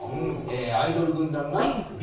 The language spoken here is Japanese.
アイドル軍団がＢ。